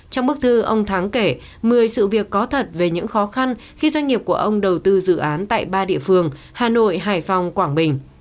trong bức thư ông thắng kể một mươi sự việc có thật về những khó khăn khi doanh nghiệp của ông đầu tư dự án tại ba địa phương hà nội hải phòng quảng bình